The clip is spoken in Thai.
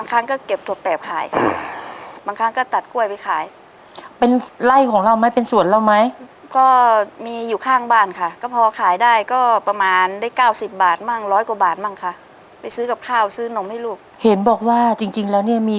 แต่ทำแต่ก่อนทีก็ต้องไปยืมเขามาใช้